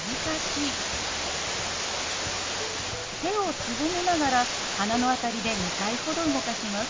手をすぼめながら鼻の辺りで２回ほど動かします。